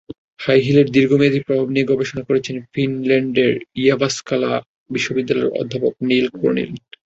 High হিলের দীর্ঘমেয়াদি প্রভাব নিয়ে গবেষণা করেছেন ফিনল্যান্ডের ইয়াভাস্কায়লা বিশ্ববিদ্যালয়ের অধ্যাপক নিল ক্রোনিন।